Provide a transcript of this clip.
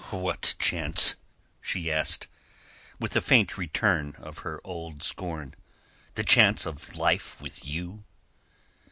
"What chance?" she asked, with a faint return of her old scorn. "The chance of life with you?"